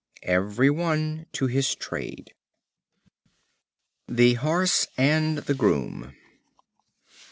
Every one to his trade. The Horse and the Groom.